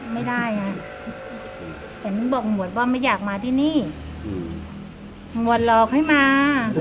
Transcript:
ไม่ได้ไงเห็นบอกหมวดว่าไม่อยากมาที่นี่หมวดหลอกให้มา